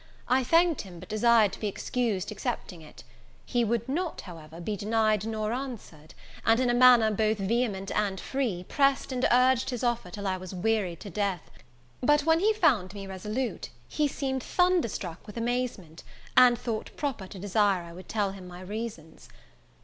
I thanked him, but desired to be excused accepting it: he would not, however, be denied, nor answered; and, in a manner both vehement and free, pressed and urged his offer, till I was wearied to death: but, when he found me resolute, he seemed thunderstruck with amazement, and thought proper to desire I would tell him my reasons.